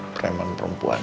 kehatan preman perempuan itu